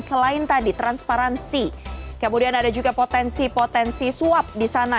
selain tadi transparansi kemudian ada juga potensi potensi suap di sana